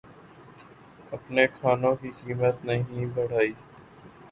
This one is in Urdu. اپنے کھانوں کی قیمت نہیں بڑھائی